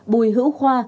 một mươi bùi hữu khoa